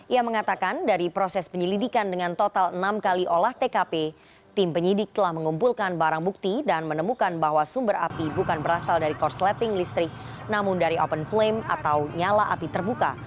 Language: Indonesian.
ia mengatakan dari proses penyelidikan dengan total enam kali olah tkp tim penyidik telah mengumpulkan barang bukti dan menemukan bahwa sumber api bukan berasal dari korsleting listrik namun dari open flame atau nyala api terbuka